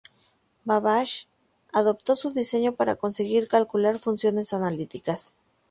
Babbage adaptó su diseño para conseguir calcular funciones analíticas.